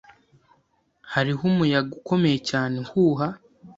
Hariho umuyaga ukomeye cyane uhuha.